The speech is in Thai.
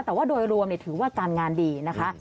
แต่ว่าโดยรวมถือว่าการงานดีนะคะ